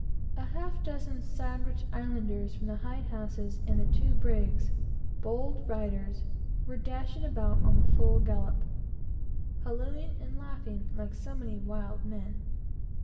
A half dozen Sandwich Islanders, from the hide houses and the two brigs, who are bold riders, were dashing about on the full gallop, hallooing and laughing like so many wild men.